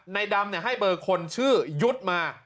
ในดำให้เบอร์คนชื่อยุทธ์มา